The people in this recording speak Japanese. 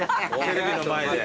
テレビの前で。